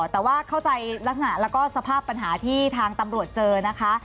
แต่ว่าเข้าใจลักษณะแล้วก็สภาพปัญหาที่ทางตำรวจเจอนะคะ